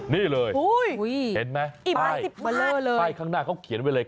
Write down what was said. นี่เลยเห็นไหมป้ายข้างหน้าเขาเขียนไว้เลย